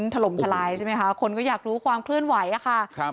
ถล่มทลายใช่ไหมคะคนก็อยากรู้ความเคลื่อนไหวอะค่ะครับ